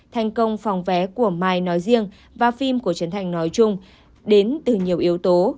thành công phòng vé của mai nói riêng và phim của trấn thành nói chung đến từ nhiều yếu tố